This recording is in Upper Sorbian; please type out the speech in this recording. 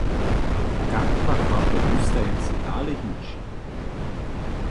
Kak pak ma po wustajeńcy dale hić?